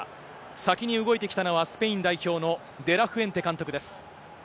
先に動いてきたのはスペイン代表のデラフェンテ監督です。